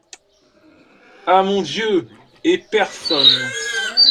Ah ! mon Dieu, et personne !…